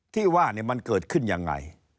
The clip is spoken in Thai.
ที่ว่ามันเกิดขึ้นยังไง